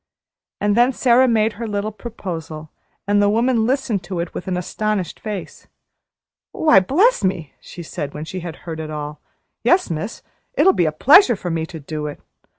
And then Sara made her little proposal, and the woman listened to it with an astonished face. "Why, bless me!" she said, when she had heard it all. "Yes, miss, it'll be a pleasure to me to do it.